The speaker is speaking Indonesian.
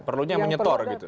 perlunya yang menyetor gitu